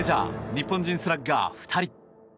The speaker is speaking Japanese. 日本人スラッガー２人。